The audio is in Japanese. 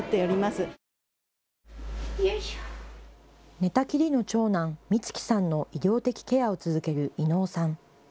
寝たきりの長男、光来さんの医療的ケアを続ける稲生さん。